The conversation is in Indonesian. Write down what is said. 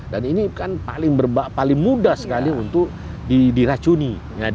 dan ini kan paling mudah sekali untuk diracuni